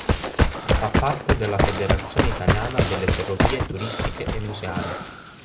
Fa parte della Federazione Italiana delle Ferrovie Turistiche e Museali.